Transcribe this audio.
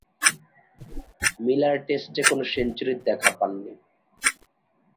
Miller টেস্টে কোন সেঞ্চুরির দেখা পাননি।